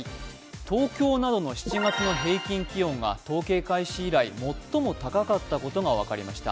東京などの７月の平均気温が統計開始以来最も高かったことが分かりました。